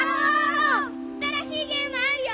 あたらしいゲームあるよ！